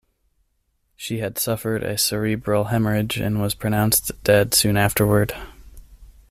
She had suffered a cerebral hemorrhage and was pronounced dead soon afterward.